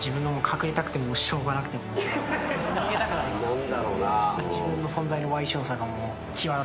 何だろうな。